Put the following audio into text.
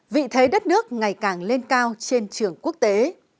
vị thế đất nước ngày càng lên cao trên trường quốc tế